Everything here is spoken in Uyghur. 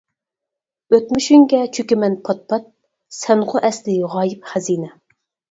ئۆتمۈشۈڭگە چۆكىمەن پات-پات، سەنغۇ ئەسلى غايىب خەزىنە.